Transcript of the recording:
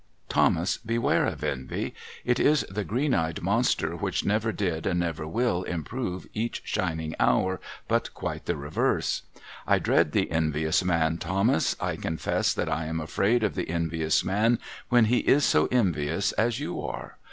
' Thomas, beware of envy. It is the green eyed monster which never did and never will improve each shining hour, but quite the reverse. I dread the envious man, Thomas. I confess that I am afraid of the envious man, when he is so envious as you are.